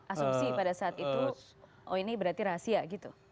asumsi pada saat itu oh ini berarti rahasia gitu